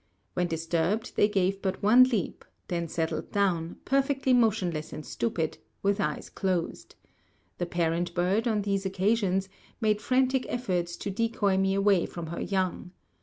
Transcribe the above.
When disturbed they gave but one leap, then settled down, perfectly motionless and stupid, with eyes closed. The parent bird, on these occasions, made frantic efforts to decoy me away from her young.